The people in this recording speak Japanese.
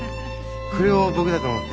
これを僕だと思って。